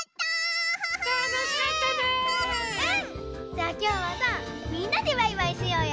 じゃあきょうはさみんなでバイバイしようよ。